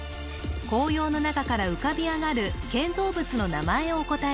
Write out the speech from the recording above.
紅葉の中から浮かび上がる建造物の名前をお答え